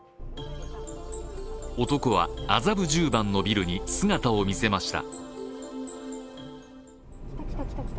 男は麻布十番のビルに姿を見せました。